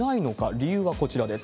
理由はこちらです。